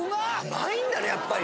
甘いんだねやっぱり。